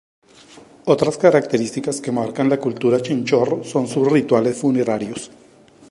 Otras características que marca la cultura Chinchorro son sus rituales funerarios.